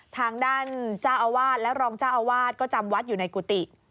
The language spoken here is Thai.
ทางด้านเจ้าอาวาสและรองเจ้าอาวาสก็จำวัดอยู่ในกุฏิ